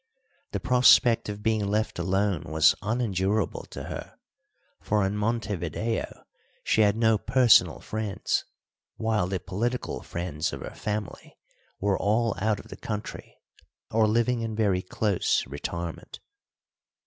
The prospect of being left alone was unendurable to her, for in Montevideo she had no personal friends, while the political friends of her family were all out of the country, or living in very close retirement.